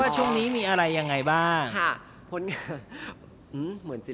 ใจเย็น